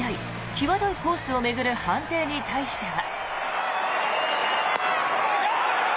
際どいコースを巡る判定に対しては。